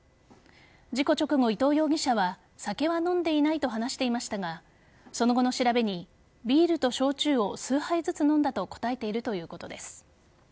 事故直後、伊東容疑者は酒は飲んでいないと話していましたがその後の調べに、ビールと焼酎を数杯ずつ飲んだと答えているということです。